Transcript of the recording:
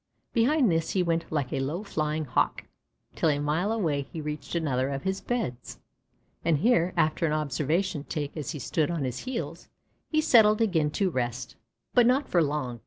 Behind this he went like a low flying Hawk, till a mile away he reached another of his beds; and here, after an observation taken as he stood on his heels, he settled again to rest. But not for long.